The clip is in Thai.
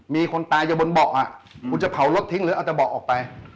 มีคนตายอยู่บนเบาะคุณจะเผารถทิ้งหรือเอาแต่เบาะออกไป